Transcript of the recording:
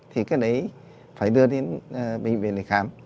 thì cái đấy phải đưa đến bệnh viện để khám